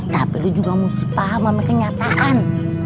tapi dia juga mesti paham sama kenyataan